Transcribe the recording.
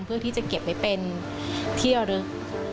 เพื่อที่จะเก็บไว้เป็นที่ระลึก